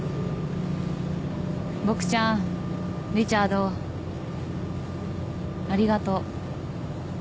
ボクちゃんリチャードありがとう。